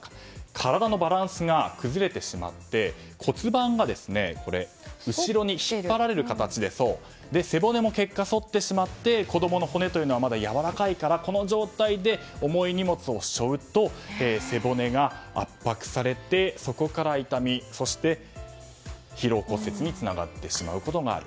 体のバランスが崩れてしまって骨盤が後ろに引っ張られる形で背骨も、結果的に反ってしまって子供の骨というのはまだやわらかいからこの状態で重い荷物を背負うと背骨が圧迫されて、そこから痛みそして、疲労骨折につながってしまうことがある。